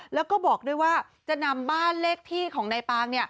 แล้วก็บอกด้วยว่าจะนำบ้านเลขที่ของนายปาง